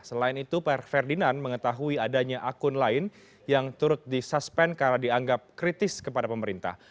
selain itu ferdinand mengetahui adanya akun lain yang turut disuspend karena dianggap kritis kepada pemerintah